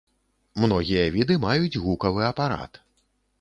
Многія віды маюць гукавы апарат.